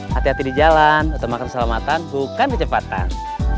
hati hati di jalan atau makan selamatan bukan kecepatan